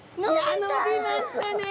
伸びましたね！